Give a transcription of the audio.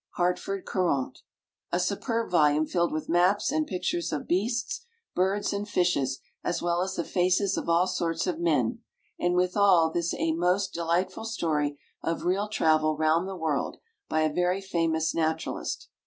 Hartford Courant. A superb volume filled with maps and pictures of beasts, birds, and fishes, as well as the faces of all sorts of men, and with all this a most delightful story of real travel round the world by a very famous naturalist.